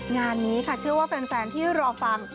งานนี้ค่ะเชื่อว่าแฟนที่รอฟัง